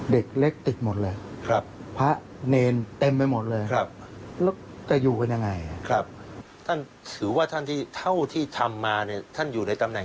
เด็กเล็กติดหมดเลย